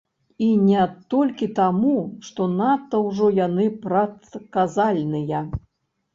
І не толькі таму, што надта ўжо яны прадказальныя.